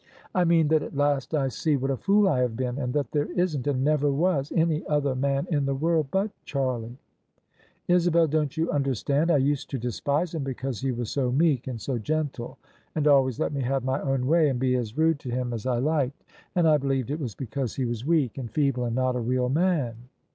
" I mean that at last I see what a fool I have been, and that there isn't — ^and never was — ^any other man in the world but Charlie 1 Isabel, don't you understand? I used to despise him because he was so meek and so gentle, and always let me have my own way and be as rude to him as I liked: and I believed it was because he was weak and feeble and not a real man.